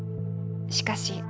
しかし。